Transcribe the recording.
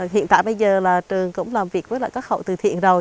hiện tại bây giờ là trường cũng làm việc với lại các hậu từ thiện rồi